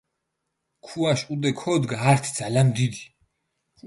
ქუაშ ჸუდე ქოდგჷ ართი ძალამ დიდი.